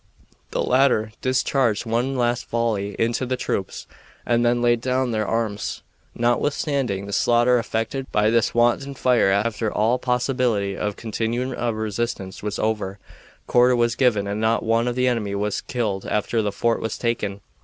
The latter discharged one last volley into the troops and then laid down their arms. Notwithstanding the slaughter effected by this wanton fire after all possibility of continuing a resistance was over, quarter was given and not one of the enemy was killed after the fort was taken.